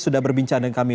sudah berbincang dengan kami